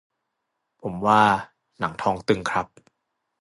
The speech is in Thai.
ผมว่าหนังท้องตึงครับ